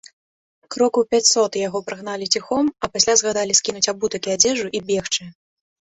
Крокаў пяцьсот яго прагналі ціхом, а пасля загадалі скінуць абутак і адзежу і бегчы.